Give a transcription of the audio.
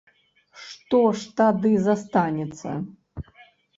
Што ж тады застанецца?